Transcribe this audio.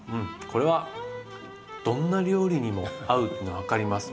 これはどんな料理にも合うっていうの分かります。